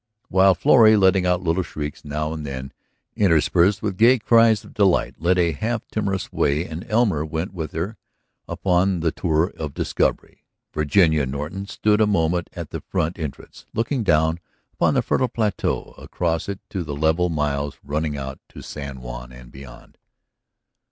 While Florrie, letting out little shrieks now and then interspersed with gay cries of delight, led a half timorous way and Elmer went with her upon the tour of discovery, Virginia and Norton stood a moment at the front entrance looking down upon the fertile plateau and across it to the level miles running out to San Juan and beyond.